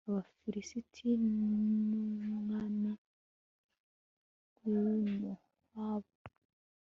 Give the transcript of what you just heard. abafilisiti n'umwami w'i mowabu